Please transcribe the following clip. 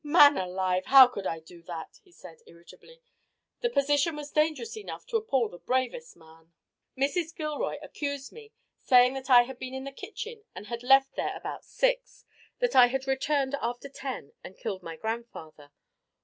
"Man alive, how could I do that?" he said irritably. "The position was dangerous enough to appal the bravest man. Mrs. Gilroy accused me, saying that I had been in the kitchen and had left there about six; that I had returned after ten and killed my grandfather.